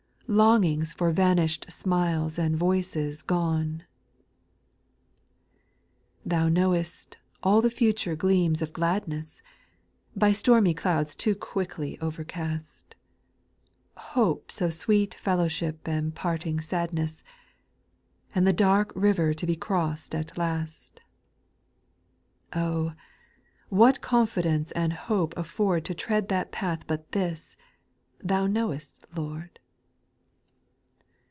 Longings for vanished smiles and voices gone. ] 4. " Thou knowest " all the future gleams of gladness. By stormy clouds too quickly overcast, — Hopes of sweet fellowship and parting sadness, And the dark river to be crossed at last, — Oh I what could confidence and hope afford To tread that path but this, " Thou knowest Lord